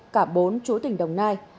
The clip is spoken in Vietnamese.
cả bốn chú tỉnh đồng nai